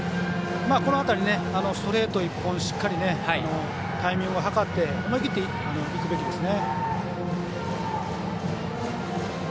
この辺り、ストレート１本しっかりタイミングを計って思い切っていくべきですね。